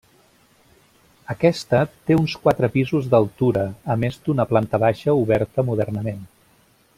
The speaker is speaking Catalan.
Aquesta, té uns quatre pisos d'altura, a més d'una planta baixa oberta modernament.